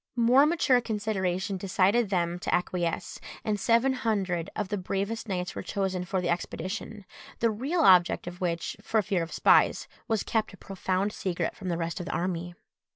More mature consideration decided them to acquiesce, and seven hundred of the bravest knights were chosen for the expedition, the real object of which, for fear of spies, was kept a profound secret from the rest of the army.